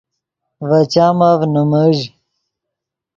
ڤے چامف نیمیژ